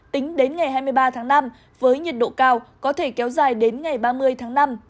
tính đến ngày hai mươi ba tháng năm với nhiệt độ cao có thể kéo dài đến ngày ba mươi tháng năm